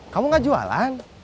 kamu gak jualan